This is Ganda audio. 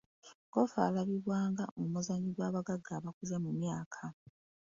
Ggoofu alabibwa ng'omuzannyo gw'abagagga abakuze mu myaka.